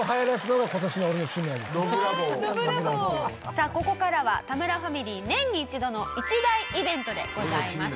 さあここからは田村ファミリー年に１度の一大イベントでございます。